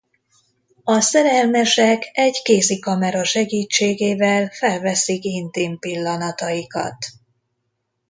A szerelmesek egy kézi kamera segítségével felveszik intim pillanataikat.